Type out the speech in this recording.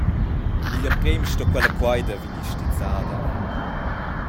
Igl emprem sto quella queida vegnir stizzada.